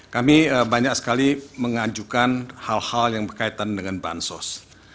kami banyak sekali mengajukan hal hal yang berkaitan dengan bansos